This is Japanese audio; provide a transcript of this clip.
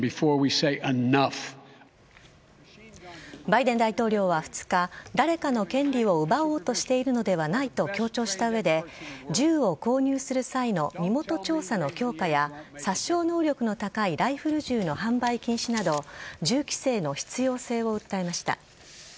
バイデン大統領は２日誰かの権利を奪おうとしているのではないと強調した上で銃を購入する際の身元調査の強化や殺傷能力の高いライフル銃の販売禁止など銃規制の必要性を訴えました。